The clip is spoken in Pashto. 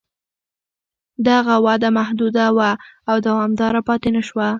دغه وده محدوده وه او دوامداره پاتې نه شوه.